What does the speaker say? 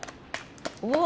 うわ。